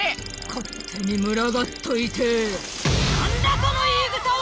勝手に群がっといてなんだその言いぐさは！